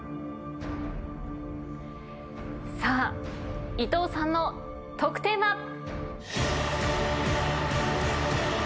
さあ伊藤さんの得点は？